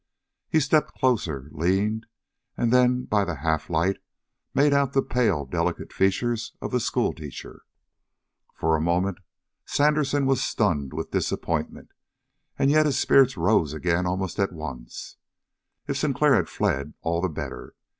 He stepped closer, leaned, and then by the half light made out the pale, delicate features of the schoolteacher. For the moment Sandersen was stunned with disappointment, and yet his spirits rose again almost at once. If Sinclair had fled, all the better.